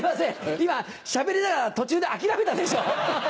今しゃべりながら途中で諦めたでしょ？